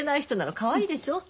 かわいいでしょ？